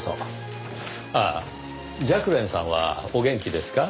ああ雀蓮さんはお元気ですか？